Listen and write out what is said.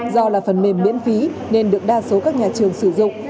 do là phần mềm miễn phí nên được đa số các nhà trường sử dụng